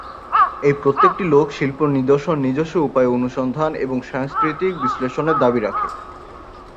এই প্রত্যেকটি লোক শিল্প নিদর্শন নিজস্ব উপায়ে অনুসন্ধান এবং সাংস্কৃতিক বিশ্লেষণের দাবী রাখে।